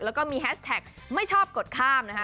แล้วก็มีแฮชแท็กไม่ชอบกดข้ามนะคะ